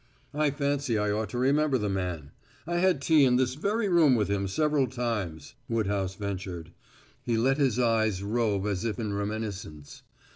"I fancy I ought to remember the man. I had tea in this very room with him several times," Woodhouse ventured. He let his eyes rove as if in reminiscence.